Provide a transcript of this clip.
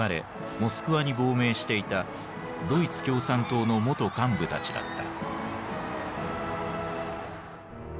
モスクワに亡命していたドイツ共産党の元幹部たちだった。